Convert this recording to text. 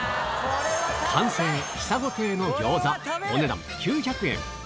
完成、ひさご亭の餃子、お値段９００円。